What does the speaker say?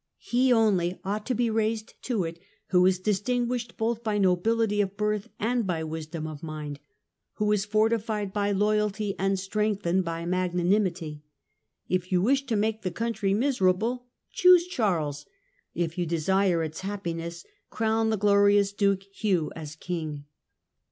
He only ought to be raised to it who is distinguished both by nobility of birth and by wisdom of mind, who is fortified by loyalty, and strengthened by magnanimity. ... If you wish to make the country miserable, choose Charles. If you desire its happiness, crown the glorious duke Hugh as king."